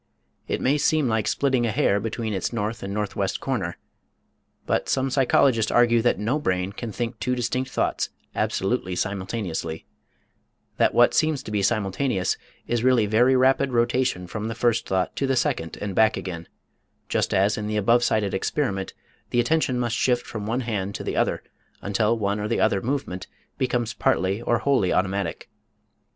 It may seem like splitting a hair between its north and northwest corner, but some psychologists argue that no brain can think two distinct thoughts, absolutely simultaneously that what seems to be simultaneous is really very rapid rotation from the first thought to the second and back again, just as in the above cited experiment the attention must shift from one hand to the other until one or the other movement becomes partly or wholly automatic.